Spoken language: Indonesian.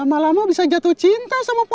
mak mau pergi ke rumah